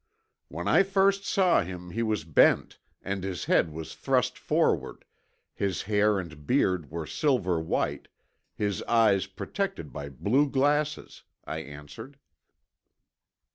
"When I first saw him he was bent and his head was thrust forward, his hair and beard were silver white, his eyes protected by blue glasses," I answered.